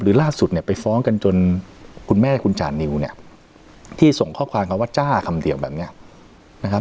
ล่าสุดเนี่ยไปฟ้องกันจนคุณแม่คุณจานิวเนี่ยที่ส่งข้อความคำว่าจ้าคำเดียวแบบนี้นะครับ